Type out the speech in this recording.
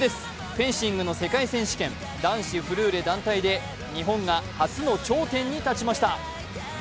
フェンシングの世界選手権、男子フルーレ団体で日本が初の頂点に立ちました。